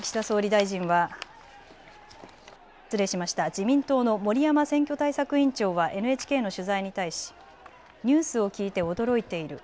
自民党の森山選挙対策委員長はＮＨＫの取材に対し、ニュースを聞いて驚いている。